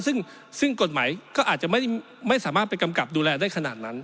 ซึ่งกฎหมายก็อาจจะไม่สามารถไปกำกับดูแลได้ขนาดนั้น